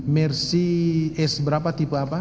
mercy s berapa tipe apa